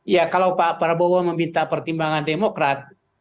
ya kalau pak prabowo meminta pertimbangan demokrat